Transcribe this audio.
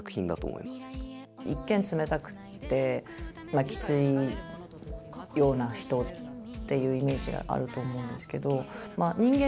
一見冷たくってきついような人っていうイメージがあると思うんですけど人間